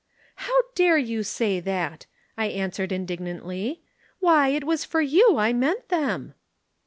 "'How dare you say that?' I answered indignantly. 'Why, it was for you I meant them.'